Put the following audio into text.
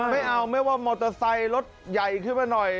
ไม่เอาไม่ว่ามอเตอร์ไซค์รถใหญ่ขึ้นมาหน่อย